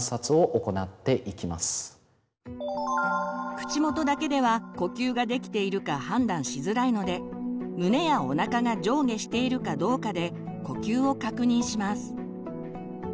口元だけでは呼吸ができているか判断しづらいので胸やおなかが上下しているかどうかで呼吸を確認します。